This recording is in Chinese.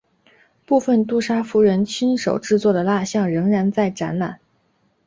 部分杜莎夫人亲手制作的蜡象仍然在展览。